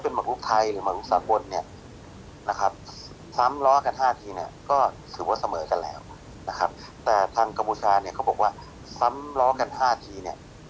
บุชาเนี่ยเขาบอกว่าซ้ำล้อกันห้าทีเนี่ย